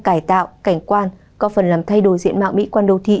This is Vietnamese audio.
cải tạo cảnh quan có phần làm thay đổi diện mạo mỹ quan đô thị